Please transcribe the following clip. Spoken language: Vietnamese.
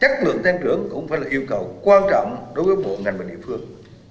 chất lượng tăng trưởng cũng phải là yêu cầu quan trọng đối với bộ ngành và địa phương